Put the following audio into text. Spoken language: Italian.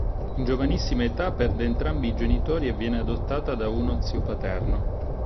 In giovanissima età perde entrambi i genitori e viene adottata da uno zio paterno.